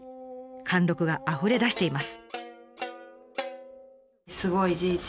貫禄があふれ出しています。